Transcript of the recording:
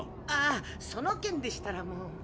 ああその件でしたらもう。